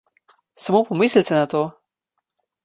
Samo pomislite na to!